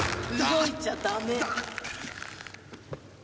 動いちゃダメ。